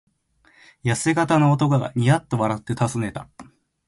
やせ型の男がニヤッと笑ってたずねた。